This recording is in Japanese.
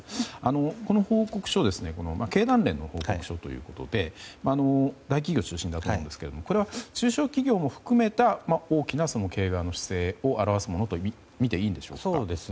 この報告書は経団連の報告書ということで大企業出身だと思いますがこれは中小企業も含めた大きな経営者側の姿勢を表すものとみていいんでしょうか。